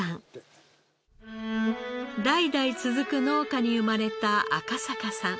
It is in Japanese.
代々続く農家に生まれた赤坂さん。